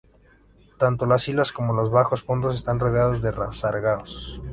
Tanto las islas como los bajos fondos están rodeados de sargazos.